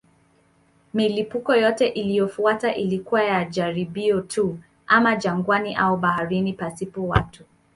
Milipuko yote iliyofuata ilikuwa ya jaribio tu, ama jangwani au baharini pasipo watu.